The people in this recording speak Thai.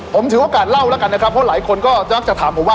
ผมถือโอกาสเล่าแล้วกันนะครับเพราะหลายคนก็มักจะถามผมว่า